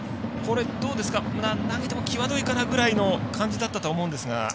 投げても際どいかなぐらいの感じだったとは思うんですが。